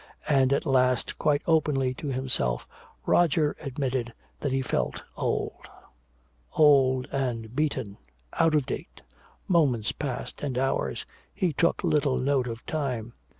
And at last quite openly to himself Roger admitted that he felt old. Old and beaten, out of date. Moments passed, and hours he took little note of time.